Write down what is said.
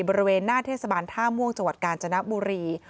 บริเวณหน้าเทศบาลท่าม่วงจังหวัดกาญจนบุรี